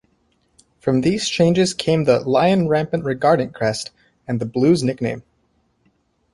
From these changes came the "Lion Rampant Regardant" crest and the "Blues" nickname.